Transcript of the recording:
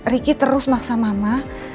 ricky terus maksa mama